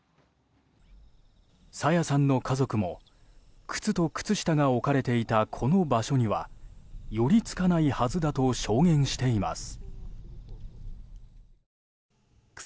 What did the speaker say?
朝芽さんの家族も靴と靴下が置かれていたこの場所には寄り付かないはずだと証言しています。